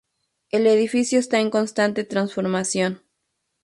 El edificio está en constante transformación.